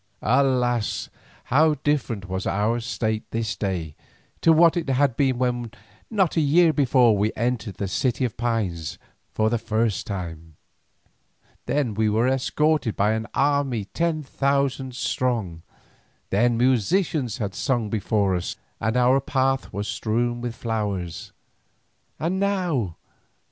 Alas! how different was our state this day to what it had been when not a year before we entered the City of Pines for the first time. Then we were escorted by an army ten thousand strong, then musicians had sung before us and our path was strewn with flowers. And now!